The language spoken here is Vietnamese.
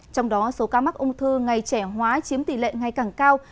trong đó số ca mắc ung thư ngày trẻ hóa chiếm tỷ lệ ngày càng cao